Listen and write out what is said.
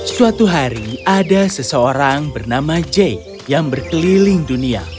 suatu hari ada seseorang bernama jay yang berkeliling dunia